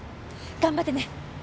頑張ってね。